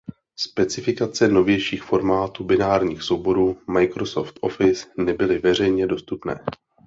Specifikace novějších formátů binárních souborů Microsoft Office nebyly veřejně dostupné.